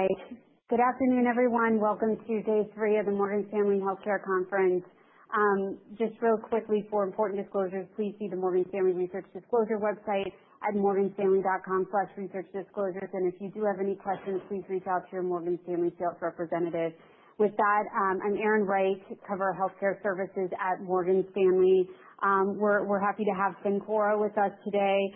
Hi. Good afternoon, everyone. Welcome to day three of the Morgan Stanley Healthcare Conference. Just real quickly for important disclosures, please see the Morgan Stanley Research Disclosure website at morganstanley.com/researchdisclosures. And if you do have any questions, please reach out to your Morgan Stanley sales representative. With that, I'm Erin Wright, covering Healthcare Services at Morgan Stanley. We're happy to have Cencora with us today.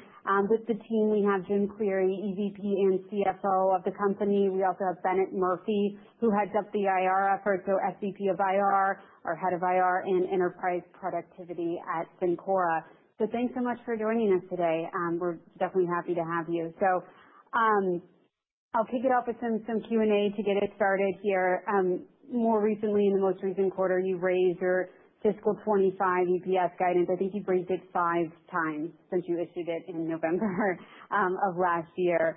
With the team, we have Jim Cleary, EVP and CFO of the company. We also have Bennett Murphy, who heads up the IR efforts, so SVP of IR, our head of IR and enterprise productivity at Cencora. So thanks so much for joining us today. We're definitely happy to have you. So, I'll kick it off with some Q&A to get it started here. More recently, in the most recent quarter, you raised your fiscal '25 EPS guidance. I think you've raised it five times since you issued it in November of last year.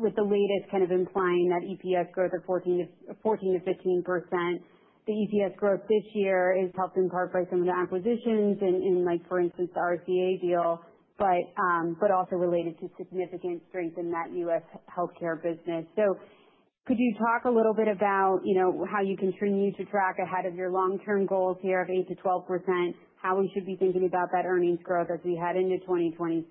With the latest kind of implying that EPS growth of 14% to 15%, the EPS growth this year is helped in part by some of the acquisitions and, like, for instance, the RCA deal, but also related to significant strength in that U.S. healthcare business. So could you talk a little bit about, you know, how you continue to track ahead of your long-term goals here of 8%-12%, how we should be thinking about that earnings growth as we head into 2026,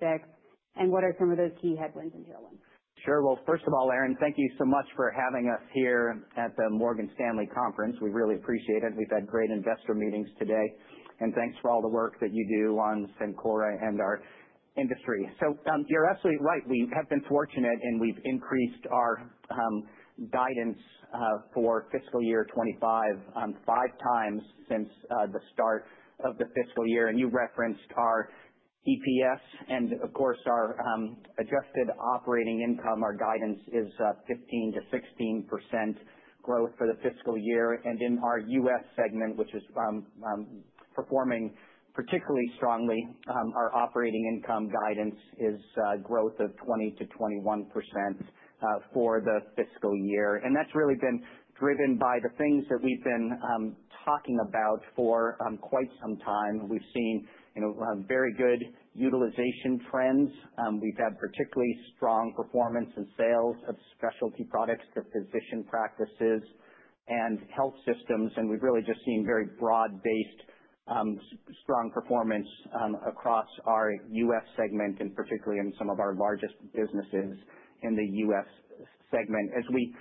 and what are some of those key headwinds and tailwinds? Sure. Well, first of all, Erin, thank you so much for having us here at the Morgan Stanley Conference. We really appreciate it. We've had great investor meetings today. And thanks for all the work that you do on Cencora and our industry. So, you're absolutely right. We have been fortunate, and we've increased our guidance for fiscal year 2025 five times since the start of the fiscal year. And you referenced our EPS, and of course, our adjusted operating income. Our guidance is 15%-16% growth for the fiscal year. And in our US segment, which is performing particularly strongly, our operating income guidance is growth of 20%-21% for the fiscal year. And that's really been driven by the things that we've been talking about for quite some time. We've seen, you know, very good utilization trends. We've had particularly strong performance and sales of specialty products to physician practices and health systems. And we've really just seen very broad-based strong performance across our U.S. segment and particularly in some of our largest businesses in the U.S. segment. As we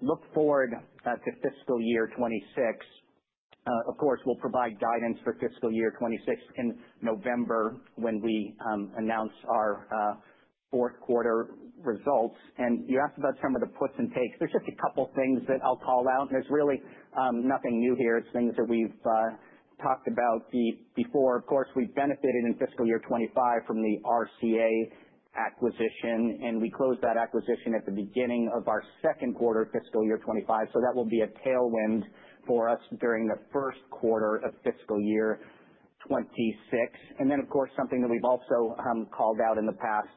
look forward to fiscal year 2026, of course, we'll provide guidance for fiscal year 2026 in November when we announce our fourth quarter results. And you asked about some of the puts and takes. There's just a couple of things that I'll call out. And there's really nothing new here. It's things that we've talked about before. Of course, we've benefited in fiscal year 2025 from the RCA acquisition, and we closed that acquisition at the beginning of our second quarter fiscal year 2025. So that will be a tailwind for us during the first quarter of fiscal year 2026. And then, of course, something that we've also called out in the past,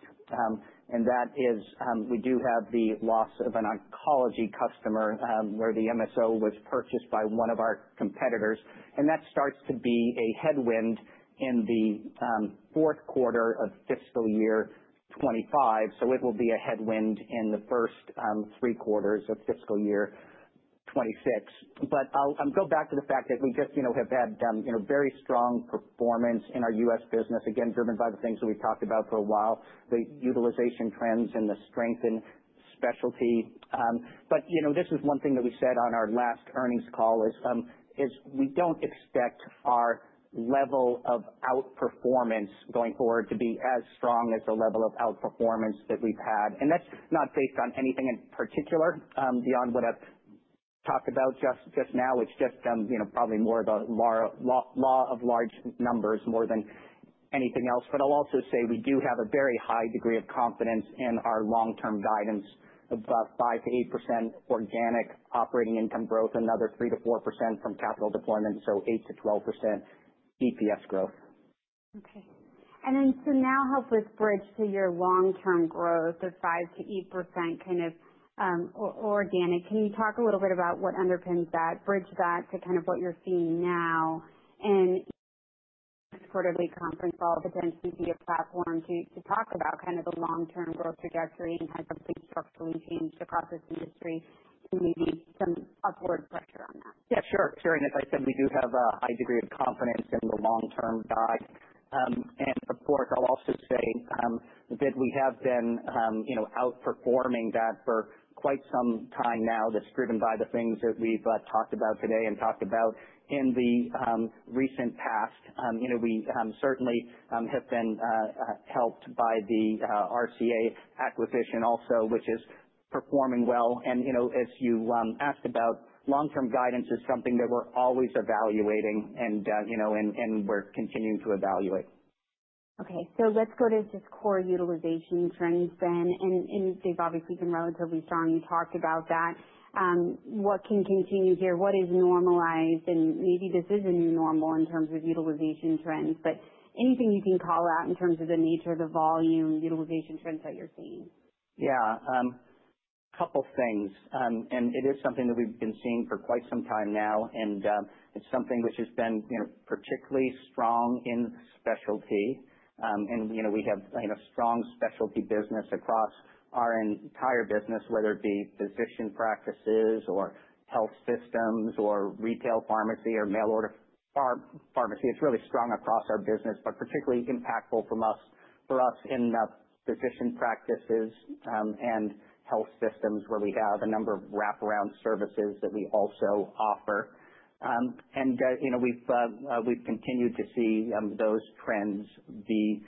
and that is, we do have the loss of an oncology customer, where the MSO was purchased by one of our competitors. And that starts to be a headwind in the fourth quarter of fiscal year 2025. So it will be a headwind in the first three quarters of fiscal year 2026. But I'll go back to the fact that we just, you know, have had, you know, very strong performance in our US business, again, driven by the things that we've talked about for a while, the utilization trends and the strength in specialty. But, you know, this is one thing that we said on our last earnings call is, we don't expect our level of outperformance going forward to be as strong as the level of outperformance that we've had. That's not based on anything in particular, beyond what I've talked about just now. It's just, you know, probably more of a law of large numbers more than anything else. I'll also say we do have a very high degree of confidence in our long-term guidance of 5%-8% organic operating income growth, another 3%-4% from capital deployment, so 8%-12% EPS growth. Okay. And then to now help us bridge to your long-term growth of 5%-8% kind of, organic, can you talk a little bit about what underpins that, bridge that to kind of what you're seeing now? And next quarterly conference call potentially be a platform to talk about kind of the long-term growth trajectory and how something structurally changed across this industry and maybe some upward pressure on that. Yeah, sure. Sure. And as I said, we do have a high degree of confidence in the long-term guide. And of course, I'll also say that we have been, you know, outperforming that for quite some time now. That's driven by the things that we've talked about today and talked about in the recent past. You know, we certainly have been helped by the RCA acquisition also, which is performing well. And you know, as you asked about, long-term guidance is something that we're always evaluating and you know, we're continuing to evaluate. Okay, so let's go to just core utilization trends then, and they've obviously been relatively strong. You talked about that. What can continue here? What is normalized, and maybe this is a new normal in terms of utilization trends, but anything you can call out in terms of the nature of the volume utilization trends that you're seeing? Yeah. A couple of things, and it is something that we've been seeing for quite some time now, and it's something which has been, you know, particularly strong in specialty, and, you know, we have, you know, strong specialty business across our entire business, whether it be physician practices or health systems or retail pharmacy or mail order pharmacy. It's really strong across our business, but particularly impactful from us, for us in physician practices, and health systems where we have a number of wraparound services that we also offer, and, you know, we've continued to see those trends be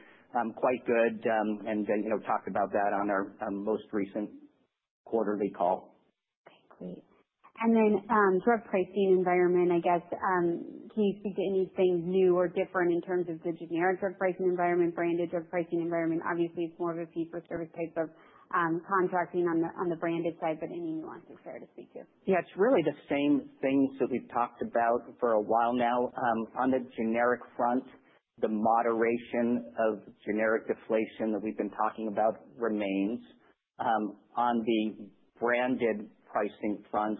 quite good, and, you know, talked about that on our most recent quarterly call. Okay. Great. And then, drug pricing environment, I guess, can you speak to anything new or different in terms of the generic drug pricing environment, branded drug pricing environment? Obviously, it's more of a fee-for-service type of contracting on the branded side, but any nuances there to speak to? Yeah. It's really the same things that we've talked about for a while now. On the generic front, the moderation of generic deflation that we've been talking about remains. On the branded pricing front,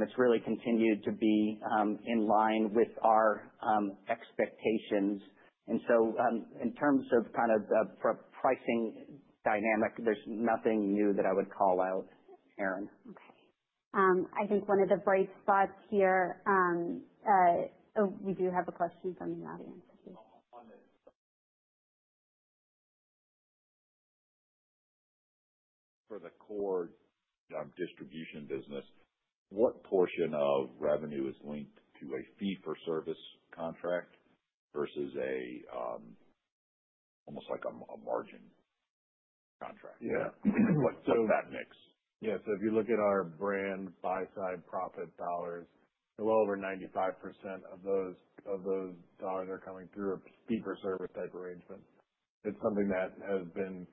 it's really continued to be, in line with our, expectations. And so, in terms of kind of the pricing dynamic, there's nothing new that I would call out, Erin. Okay. I think one of the bright spots here, oh, we do have a question from the audience. For the core distribution business, what portion of revenue is linked to a fee-for-service contract versus almost like a margin contract? Yeah. What's that mix? Yeah. So if you look at our brand buy-side profit dollars, well, over 95% of those dollars are coming through a fee-for-service type arrangement. It's something that has been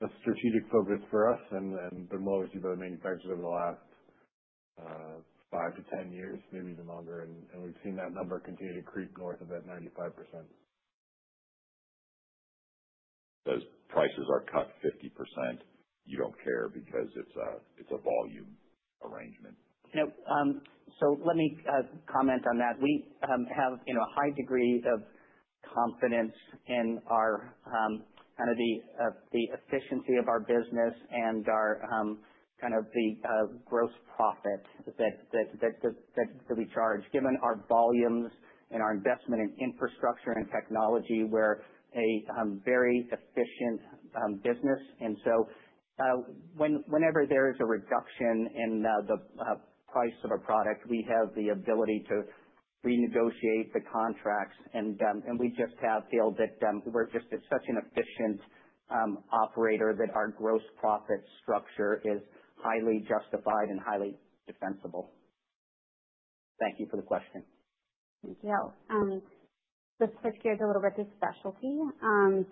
a strategic focus for us and we've seen that number continue to creep north of that 95%. Those prices are cut 50%. You don't care because it's a volume arrangement. Nope, so let me comment on that. We have you know a high degree of confidence in the efficiency of our business and the gross profit that we charge, given our volumes and our investment in infrastructure and technology. We're a very efficient business. So, whenever there is a reduction in the price of a product, we have the ability to renegotiate the contracts. And we just feel that we're just such an efficient operator that our gross profit structure is highly justified and highly defensible. Thank you for the question. Thank you. Let's switch gears a little bit to specialty.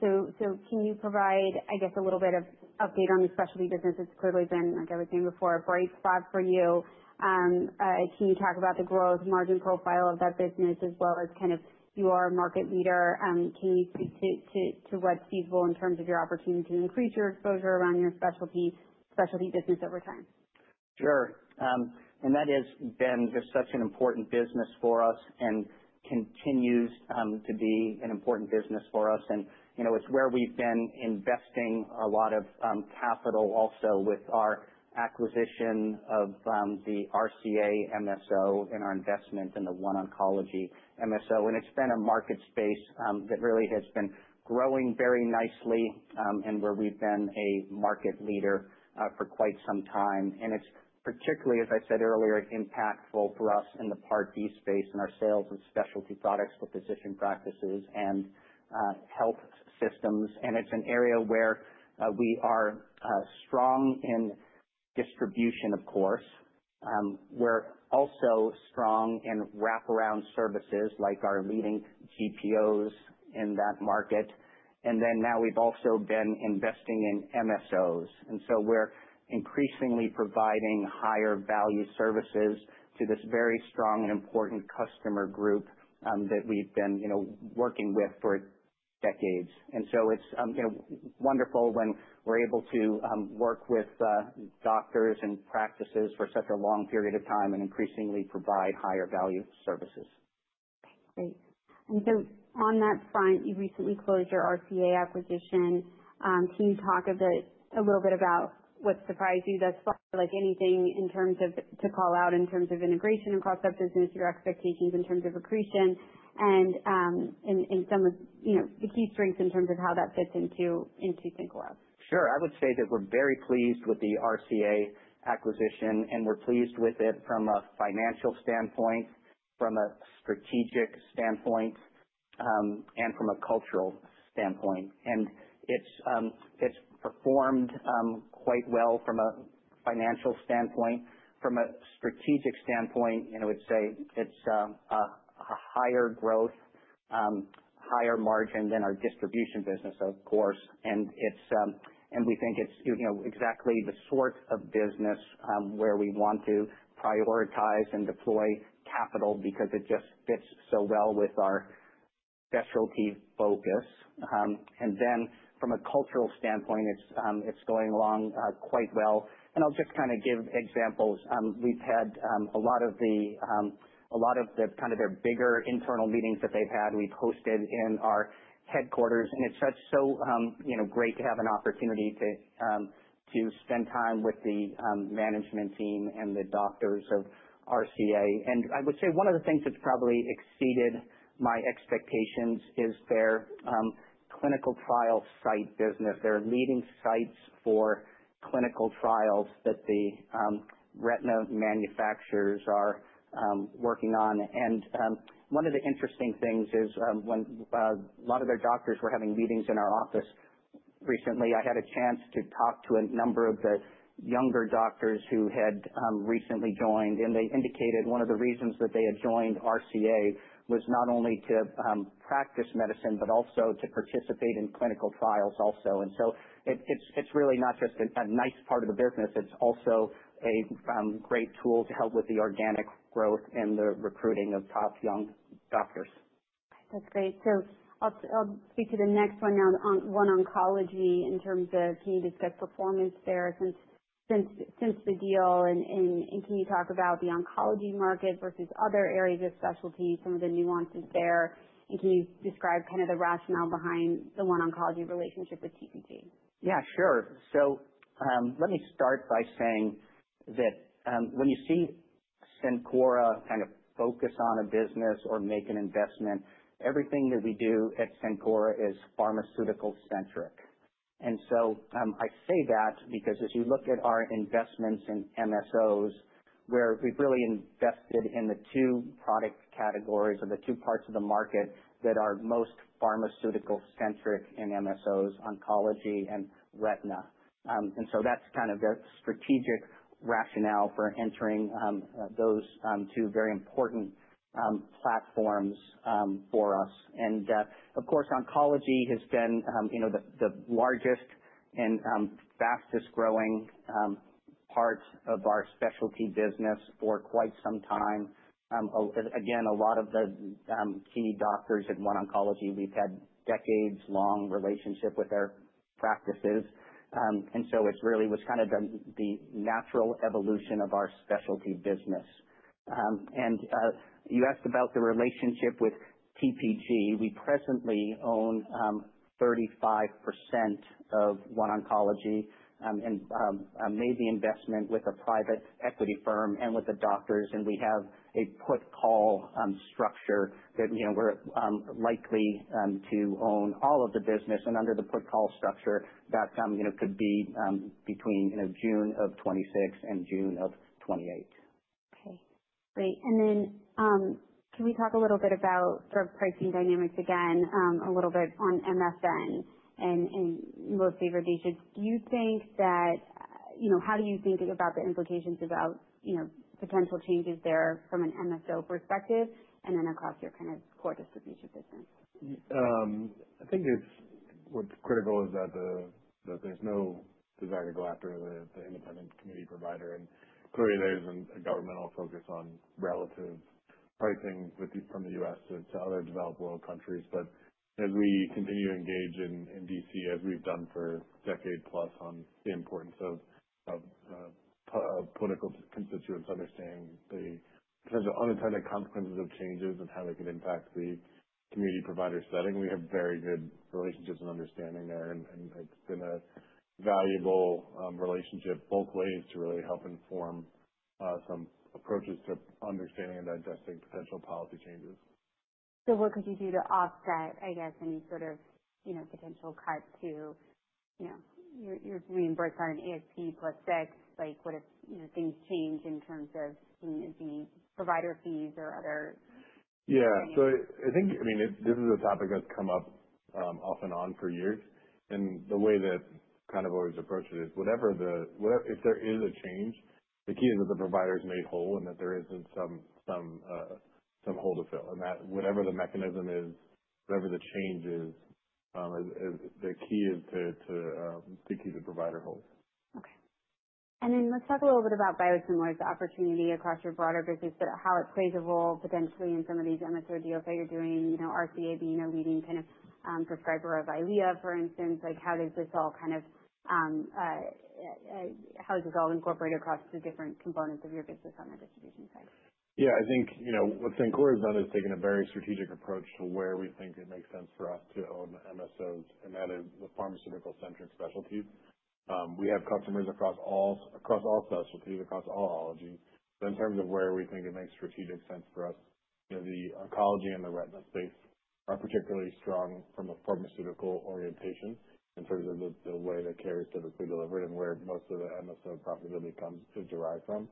So, can you provide, I guess, a little bit of update on the specialty business? It's clearly been, like I was saying before, a bright spot for you. Can you talk about the gross margin profile of that business as well as kind of you are a market leader? Can you speak to what's feasible in terms of your opportunity to increase your exposure around your specialty business over time? Sure. And that has been just such an important business for us and continues to be an important business for us. And, you know, it's where we've been investing a lot of capital also with our acquisition of the RCA MSO and our investment in the OneOncology MSO. And it's been a market space that really has been growing very nicely, and where we've been a market leader for quite some time. And it's particularly, as I said earlier, impactful for us in the Part B space and our sales of specialty products for physician practices and health systems. And it's an area where we are strong in distribution, of course. We're also strong in wraparound services like our leading GPOs in that market. And then now we've also been investing in MSOs. And so we're increasingly providing higher value services to this very strong and important customer group, that we've been, you know, working with for decades. And so it's, you know, wonderful when we're able to, work with, doctors and practices for such a long period of time and increasingly provide higher value services. Okay. Great. And so on that front, you recently closed your RCA acquisition. Can you talk a bit, a little bit about what surprised you thus far? Like anything in terms of to call out in terms of integration across that business, your expectations in terms of accretion, and, and, and some of, you know, the key strengths in terms of how that fits into, into Cencora? Sure. I would say that we're very pleased with the RCA acquisition, and we're pleased with it from a financial standpoint, from a strategic standpoint, and from a cultural standpoint, and it's performed quite well from a financial standpoint. From a strategic standpoint, you know, it's a higher growth, higher margin than our distribution business, of course, and we think it's you know, exactly the sort of business where we want to prioritize and deploy capital because it just fits so well with our specialty focus, and then from a cultural standpoint, it's going along quite well, and I'll just kind of give examples. We've had a lot of the kind of their bigger internal meetings that they've had, we've hosted in our headquarters. And it's just so, you know, great to have an opportunity to spend time with the management team and the doctors of RCA. I would say one of the things that's probably exceeded my expectations is their clinical trial site business. They're leading sites for clinical trials that the retina manufacturers are working on. One of the interesting things is, when a lot of their doctors were having meetings in our office recently, I had a chance to talk to a number of the younger doctors who had recently joined. They indicated one of the reasons that they had joined RCA was not only to practice medicine, but also to participate in clinical trials also. So it's really not just a nice part of the business. It's also a great tool to help with the organic growth and the recruiting of top young doctors. Okay. That's great. So I'll speak to the next one now, the OneOncology in terms of, can you discuss performance there since the deal? And can you talk about the oncology market versus other areas of specialty, some of the nuances there? And can you describe kind of the rationale behind the OneOncology relationship with TPG? Yeah, sure. So, let me start by saying that, when you see Cencora kind of focus on a business or make an investment, everything that we do at Cencora is pharmaceutical-centric. And so, I say that because as you look at our investments in MSOs, where we've really invested in the two product categories or the two parts of the market that are most pharmaceutical-centric in MSOs, oncology and retina, and so that's kind of the strategic rationale for entering those two very important platforms for us. And, of course, oncology has been, you know, the largest and fastest growing part of our specialty business for quite some time. Again, a lot of the key doctors at OneOncology, we've had decades-long relationship with their practices, and so it really was kind of the natural evolution of our specialty business, and you asked about the relationship with TPG. We presently own 35% of OneOncology, and made the investment with a private equity firm and with the doctors. And we have a put-call structure that, you know, we're likely to own all of the business. And under the put-call structure, that, you know, could be between, you know, June of 2026 and June of 2028. Okay. Great. And then, can we talk a little bit about drug pricing dynamics again, a little bit on MFN and mostly biosimilars? Do you think that, you know, how do you think about the implications about, you know, potential changes there from an MSO perspective and then across your kind of core distribution business? I think what's critical is that there's no desire to go after the independent community provider. And clearly there's a governmental focus on relative pricing between the U.S. and other developed world countries. But as we continue to engage in D.C. as we've done for a decade plus on the importance of political constituents understanding the potential unintended consequences of changes and how they could impact the community provider setting, we have very good relationships and understanding there. And it's been a valuable relationship both ways to really help inform some approaches to understanding and digesting potential policy changes. So, what could you do to offset, I guess, any sort of, you know, potential cut to, you know, you're doing buy-side on ASP+6? Like, what if, you know, things change in terms of, you know, the provider fees or other? Yeah. So I think, I mean, this is a topic that's come up, off and on for years. And the way that kind of always approach it is whatever the, whatever if there is a change, the key is that the provider is made whole and that there isn't some hole to fill. And that whatever the mechanism is, whatever the change is, is the key to keep the provider whole. Okay. And then let's talk a little bit about biosimilars, the opportunity across your broader business, but how it plays a role potentially in some of these MSO deals that you're doing, you know, RCA being a leading kind of prescriber of Eylea, for instance. Like how does this all kind of, how is this all incorporated across the different components of your business on the distribution side? Yeah. I think, you know, what Cencora has done is taken a very strategic approach to where we think it makes sense for us to own MSOs, and that is the pharmaceutical-centric specialties. We have customers across all specialties, across all oncology. But in terms of where we think it makes strategic sense for us, you know, the oncology and the retina space are particularly strong from a pharmaceutical orientation in terms of the way that care is typically delivered and where most of the MSO profitability comes is derived from.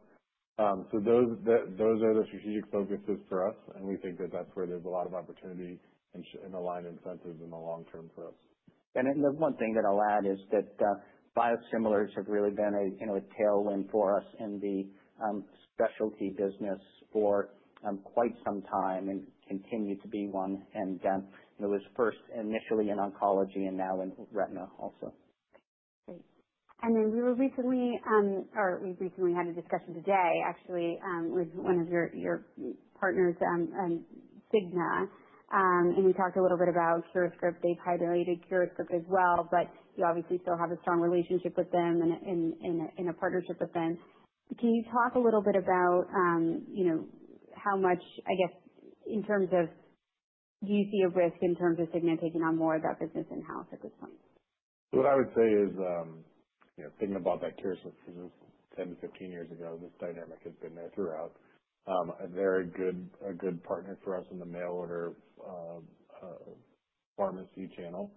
So those are the strategic focuses for us. And we think that that's where there's a lot of opportunity and such and aligned incentives in the long term for us. The one thing that I'll add is that biosimilars have really been a, you know, a tailwind for us in the specialty business for quite some time and continue to be one. It was first initially in oncology and now in retina also. Okay. Great. And then we were recently, or we recently had a discussion today, actually, with one of your partners, Cigna. And we talked a little bit about CuraScript. They've highlighted CuraScript as well, but you obviously still have a strong relationship with them and a partnership with them. Can you talk a little bit about, you know, how much, I guess, in terms of do you see a risk in terms of Cigna taking on more of that business in-house at this point? So what I would say is, you know, thinking about that CuraScript business 10-15 years ago, this dynamic has been there throughout. A very good, a good partner for us in the mail order pharmacy channel.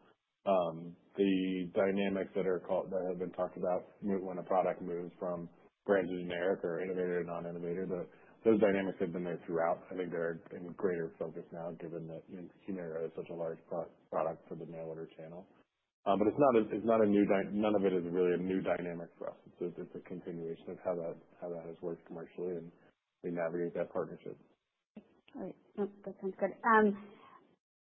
The dynamics that have been talked about when a product moves from brand to generic or innovator to non-innovator, those dynamics have been there throughout. I think they're in greater focus now given that, you know, Humira is such a large product for the mail order channel. But it's not a, it's not a new dynamic. None of it is really a new dynamic for us. It's a continuation of how that has worked commercially, and we navigate that partnership. Okay. All right. Nope. That sounds good.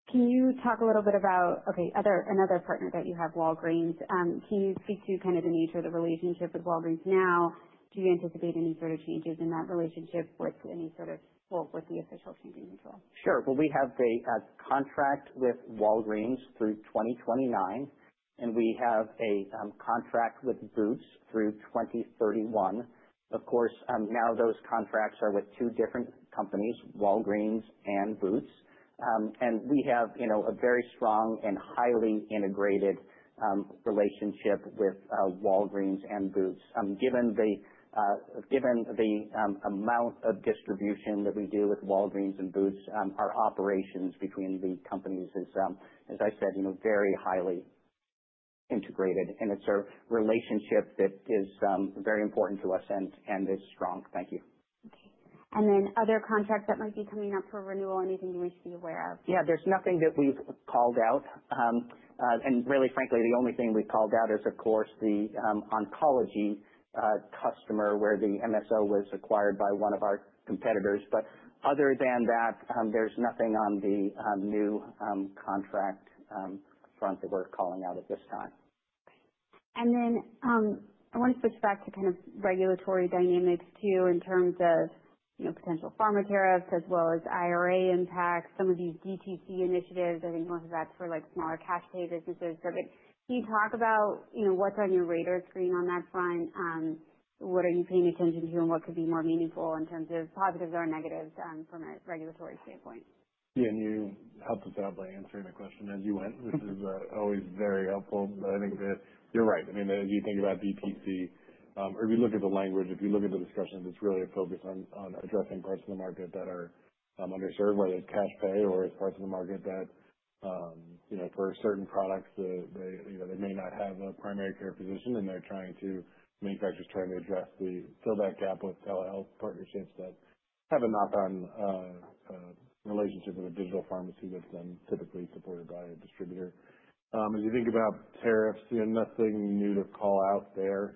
Can you talk a little bit about, okay, other partner that you have, Walgreens? Can you speak to kind of the nature of the relationship with Walgreens now? Do you anticipate any sort of changes in that relationship with any sort of, well, with the official change in control? Sure. We have a contract with Walgreens through 2029, and we have a contract with Boots through 2031. Of course, now those contracts are with two different companies, Walgreens and Boots, and we have, you know, a very strong and highly integrated relationship with Walgreens and Boots. Given the amount of distribution that we do with Walgreens and Boots, our operations between the companies is, as I said, you know, very highly integrated. It's a relationship that is very important to us and is strong. Thank you. Okay. And then other contracts that might be coming up for renewal? Anything you wish to be aware of? Yeah. There's nothing that we've called out and really frankly, the only thing we've called out is, of course, the oncology customer where the MSO was acquired by one of our competitors. But other than that, there's nothing on the new contract front that we're calling out at this time. Okay. And then, I want to switch back to kind of regulatory dynamics too in terms of, you know, potential pharma tariffs as well as IRA impacts, some of these DTC initiatives. I think most of that's for like smaller cash pay businesses. But can you talk about, you know, what's on your radar screen on that front? What are you paying attention to and what could be more meaningful in terms of positives or negatives, from a regulatory standpoint? Yeah. And you helped us out by answering the question as you went, which is always very helpful. But I think that you're right. I mean, as you think about DTC, or if you look at the language, if you look at the discussions, it's really a focus on addressing parts of the market that are underserved, whether it's cash pay or it's parts of the market that, you know, for certain products, they, you know, they may not have a primary care physician, and manufacturers are trying to fill that gap with telehealth partnerships that have a knock-on relationship with a digital pharmacy that's then typically supported by a distributor. As you think about tariffs, you know, nothing new to call out there.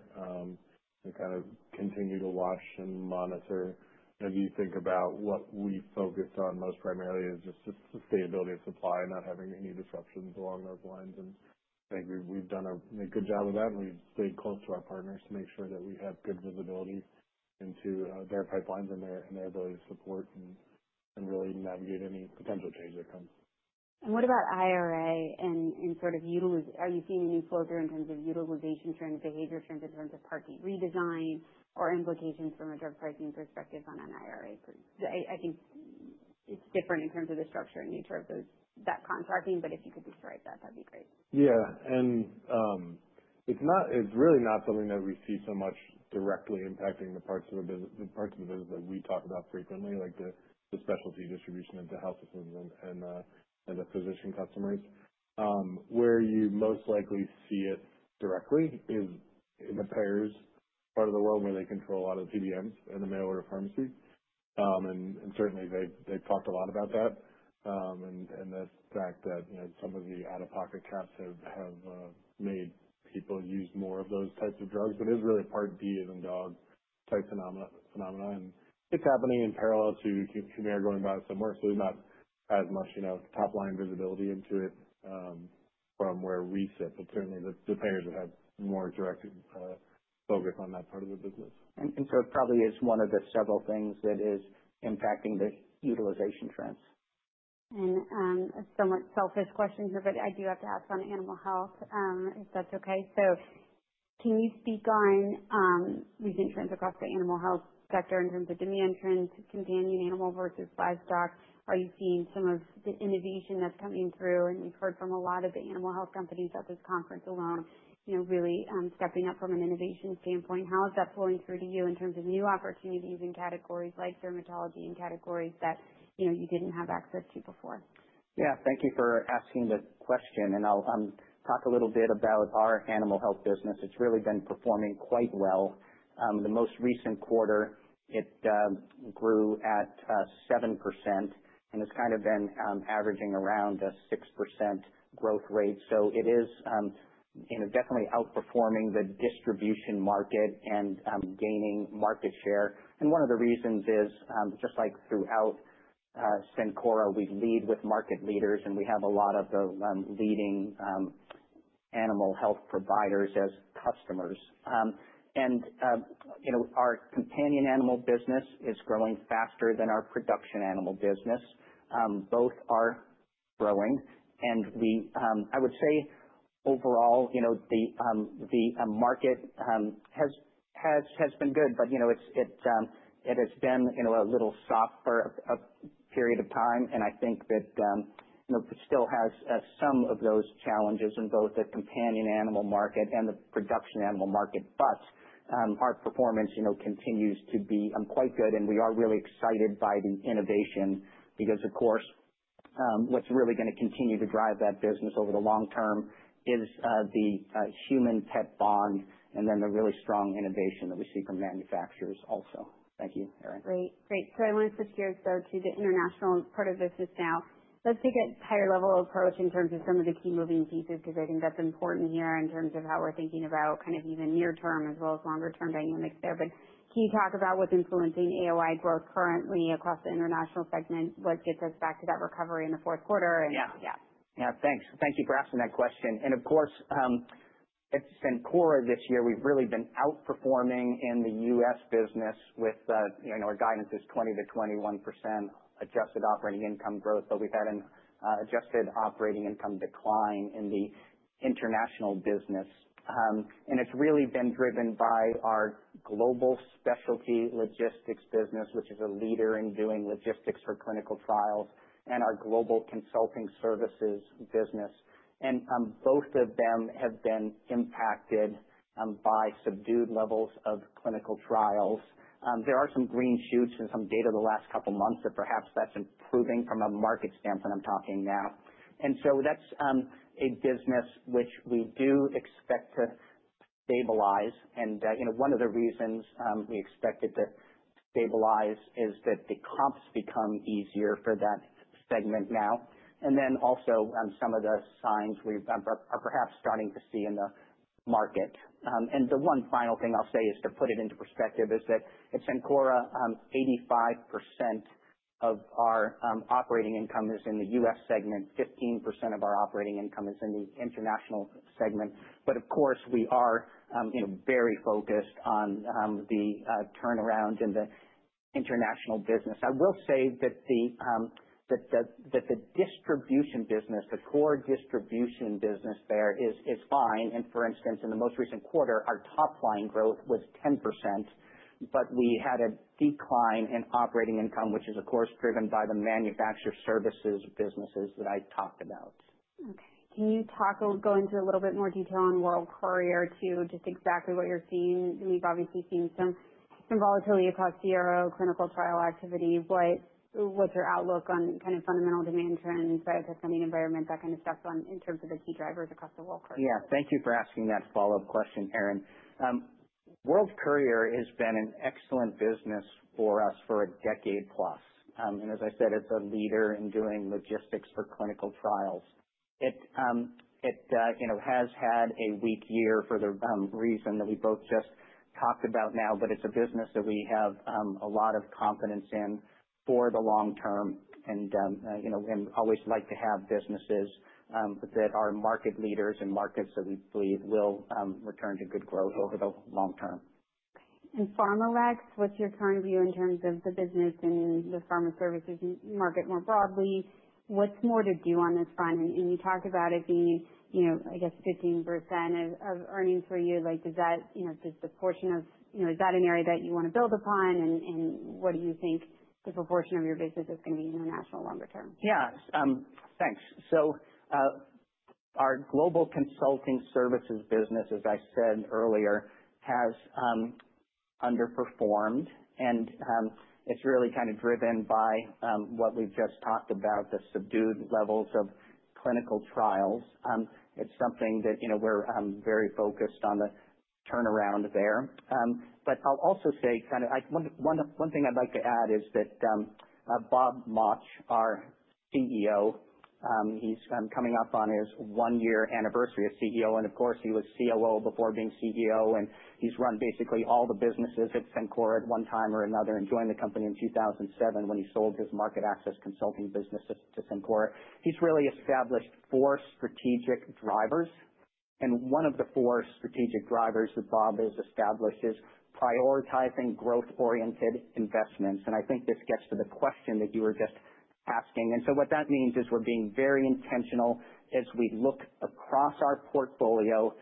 We kind of continue to watch and monitor. As you think about what we focus on most primarily is just sustainability of supply, not having any disruptions along those lines. And I think we've done a good job of that, and we've stayed close to our partners to make sure that we have good visibility into their pipelines and their ability to support and really navigate any potential change that comes. And what about IRA and sort of utilization? Are you seeing any flow through in terms of utilization trends, behavior trends in terms of payer redesign or implications from a drug pricing perspective on an IRA? I think it's different in terms of the structure and nature of those contracts, but if you could describe that, that'd be great. Yeah. It's really not something that we see so much directly impacting the parts of the business that we talk about frequently, like the specialty distribution and the health systems and the physician customers. Where you most likely see it directly is in the payers' part of the world where they control a lot of the PBMs and the mail order pharmacies, and certainly they've talked a lot about that, and the fact that, you know, some of the out-of-pocket caps have made people use more of those types of drugs. But it is really a Part D as in dog type phenomenon. It's happening in parallel to Humira going biosimilar. So there's not as much, you know, top-line visibility into it, from where we sit. But certainly the payers have had more direct focus on that part of the business. It probably is one of the several things that is impacting the utilization trends. A somewhat selfish question here, but I do have to ask on animal health, if that's okay. So can you speak on recent trends across the animal health sector in terms of demand trends, companion animal versus livestock? Are you seeing some of the innovation that's coming through? And we've heard from a lot of the animal health companies at this conference alone, you know, really stepping up from an innovation standpoint. How is that flowing through to you in terms of new opportunities in categories like dermatology and categories that, you know, you didn't have access to before? Yeah. Thank you for asking the question. And I'll talk a little bit about our animal health business. It's really been performing quite well. The most recent quarter, it grew at 7% and has kind of been averaging around a 6% growth rate. So it is, you know, definitely outperforming the distribution market and gaining market share. And one of the reasons is, just like throughout Cencora, we lead with market leaders, and we have a lot of the leading animal health providers as customers. And, you know, our companion animal business is growing faster than our production animal business. Both are growing. And we, I would say overall, you know, the market has been good. But, you know, it has been, you know, a little soft for a period of time. I think that, you know, it still has some of those challenges in both the companion animal market and the production animal market. Our performance, you know, continues to be quite good. We are really excited by the innovation because of course, what's really going to continue to drive that business over the long term is the human-pet bond and then the really strong innovation that we see from manufacturers also. Thank you, Erin. Great. Great. So I want to switch gears though to the international part of business now. Let's take a higher level approach in terms of some of the key moving pieces because I think that's important here in terms of how we're thinking about kind of even near-term as well as longer-term dynamics there. But can you talk about what's influencing AOI growth currently across the international segment? What gets us back to that recovery in the fourth quarter? And yeah. Yeah. Yeah. Thanks. Thank you for asking that question. And of course, at Cencora this year, we've really been outperforming in the US business with, you know, our guidance is 20%-21% adjusted operating income growth, but we've had an adjusted operating income decline in the international business, and it's really been driven by our global specialty logistics business, which is a leader in doing logistics for clinical trials, and our global consulting services business. And both of them have been impacted by subdued levels of clinical trials. There are some green shoots and some data the last couple of months that perhaps that's improving from a market standpoint. I'm talking now. And so that's a business which we do expect to stabilize. And you know, one of the reasons we expect it to stabilize is that the comps become easier for that segment now. Then also, some of the signs we are perhaps starting to see in the market. The one final thing I'll say is to put it into perspective: at Cencora, 85% of our operating income is in the US segment, 15% of our operating income is in the international segment. But of course, we are, you know, very focused on the turnaround in the international business. I will say that the distribution business, the core distribution business there is fine. And for instance, in the most recent quarter, our top-line growth was 10%, but we had a decline in operating income, which is, of course, driven by the manufacturer services businesses that I talked about. Okay. Can you talk a little, go into a little bit more detail on World Courier too, just exactly what you're seeing? We've obviously seen some volatility across CRO, clinical trial activity. What's your outlook on kind of fundamental demand trends, biotech funding environment, that kind of stuff in terms of the key drivers across the World Courier? Yeah. Thank you for asking that follow-up question, Erin. World Courier has been an excellent business for us for a decade plus. And as I said, it's a leader in doing logistics for clinical trials. It, you know, has had a weak year for the reason that we both just talked about now, but it's a business that we have a lot of confidence in for the long-term. And, you know, we always like to have businesses that are market leaders in markets that we believe will return to good growth over the long-term. Okay. And PharmaLex, what's your current view in terms of the business and the pharma services market more broadly? What's more to do on this front? And you talked about it being, you know, I guess 15% of earnings for you. Like, is that, you know, just the portion of, you know, is that an area that you want to build upon? And what do you think the proportion of your business is going to be international longer term? Yeah. Thanks. So, our global consulting services business, as I said earlier, has underperformed. And it's really kind of driven by what we've just talked about, the subdued levels of clinical trials. It's something that, you know, we're very focused on the turnaround there. But I'll also say kind of one thing I'd like to add is that Bob Mauch, our CEO, he's coming up on his one-year anniversary as CEO. And of course, he was COO before being CEO, and he's run basically all the businesses at Cencora at one time or another, and joined the company in 2007 when he sold his market access consulting business to Cencora. He's really established four strategic drivers. And one of the four strategic drivers that Bob has established is prioritizing growth-oriented investments. And I think this gets to the question that you were just asking. What that means is we're being very intentional as we look across our portfolio,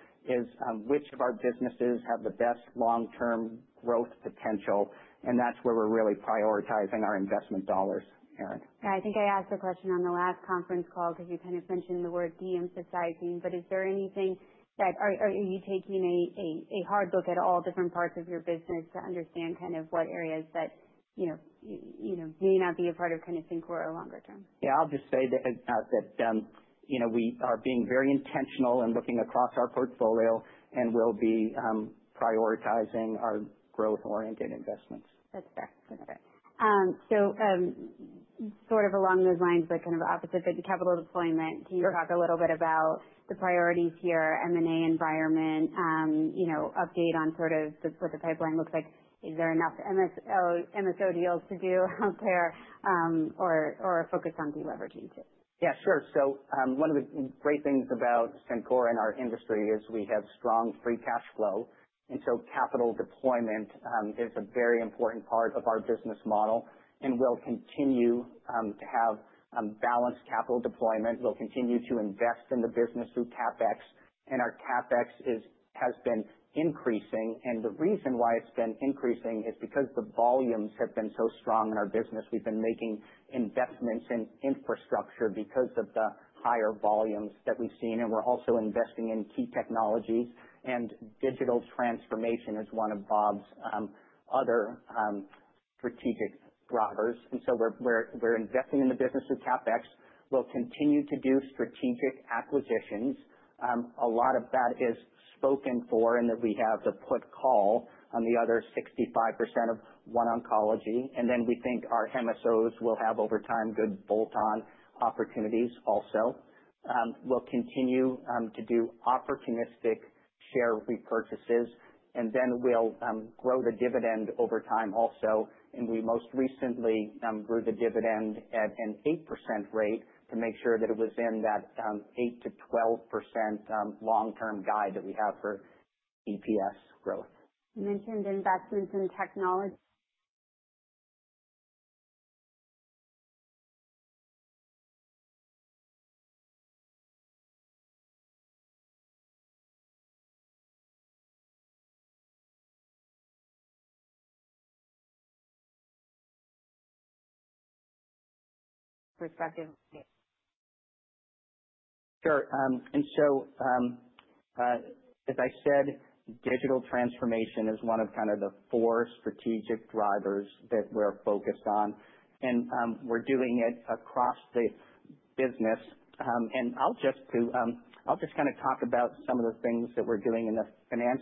which of our businesses have the best long-term growth potential. That's where we're really prioritizing our investment dollars, Erin. Yeah. I think I asked the question on the last conference call because you kind of mentioned the word de-emphasizing. But is there anything that are you taking a hard look at all different parts of your business to understand kind of what areas that, you know, you know, may not be a part of kind of Cencora longer term? Yeah. I'll just say that, you know, we are being very intentional in looking across our portfolio and will be prioritizing our growth-oriented investments. That's fair. That's fair. So, sort of along those lines, but kind of opposite the capital deployment, can you talk a little bit about the priorities here, M&A environment, you know, update on sort of the, what the pipeline looks like? Is there enough MSO, MSO deals to do out there, or, or focus on deleveraging too? Yeah. Sure. So one of the great things about Cencora and our industry is we have strong free cash flow. And so capital deployment is a very important part of our business model and will continue to have balanced capital deployment. We'll continue to invest in the business through CapEx. And our CapEx has been increasing. And the reason why it's been increasing is because the volumes have been so strong in our business. We've been making investments in infrastructure because of the higher volumes that we've seen. And we're also investing in key technologies. And digital transformation is one of Bob's other strategic drivers. And so we're investing in the business through CapEx. We'll continue to do strategic acquisitions. A lot of that is spoken for in that we have the put call on the other 65% of OneOncology. And then we think our MSOs will have over time good bolt-on opportunities also. We'll continue to do opportunistic share repurchases. And then we'll grow the dividend over time also. And we most recently grew the dividend at an 8% rate to make sure that it was in that 8%-12% long-term guide that we have for EPS growth. You mentioned investments in technology. Perspective. Sure. And so, as I said, digital transformation is one of kind of the four strategic drivers that we're focused on. And we're doing it across the business. And I'll just kind of talk about some of the things that we're doing in the finance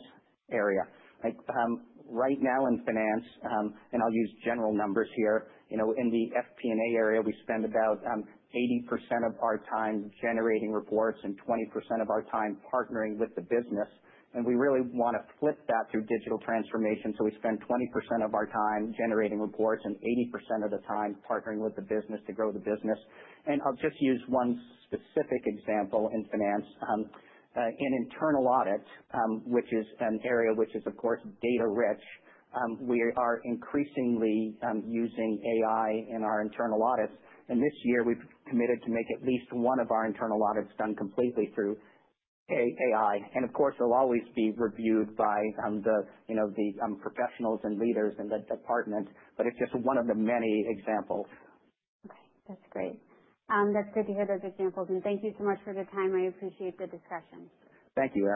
area. Like, right now in finance, and I'll use general numbers here, you know, in the FP&A area, we spend about 80% of our time generating reports and 20% of our time partnering with the business. And we really want to flip that through digital transformation. So we spend 20% of our time generating reports and 80% of the time partnering with the business to grow the business. And I'll just use one specific example in finance, in internal audit, which is an area which is, of course, data-rich. We are increasingly using AI in our internal audits. This year we've committed to make at least one of our internal audits done completely through AI, and of course, it'll always be reviewed by the, you know, professionals and leaders in that department, but it's just one of the many examples. Okay. That's great. That's good to hear those examples, and thank you so much for the time. I appreciate the discussion. Thank you, Erin.